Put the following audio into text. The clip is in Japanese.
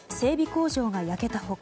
工場が焼けた他